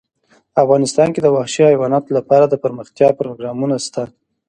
افغانستان کې د وحشي حیوانات لپاره دپرمختیا پروګرامونه شته.